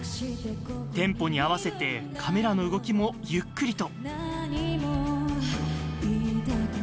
テンポに合わせてカメラの動きも、ゆっくりと。